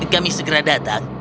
kami segera datang